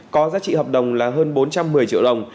có giá trị hợp đồng là hơn bốn trăm một mươi triệu đồng